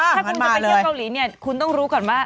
ถ้าคุณจะไปเที่ยวเกาหลีเนี่ยคุณต้องรู้ก่อนว่า